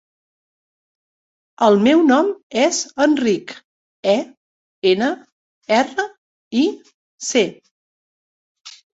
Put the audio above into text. El meu nom és Enric: e, ena, erra, i, ce.